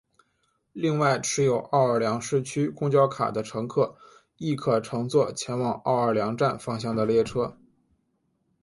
另外持有奥尔良市区公交卡的乘客亦可乘坐前往奥尔良站方向的列车。